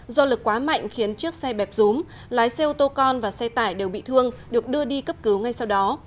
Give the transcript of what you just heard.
do lực quá mạnh khiến chiếc xe bẹp rúm lái xe ô tô con và xe tải đều bị thương được đưa đi cấp cứu ngay sau đó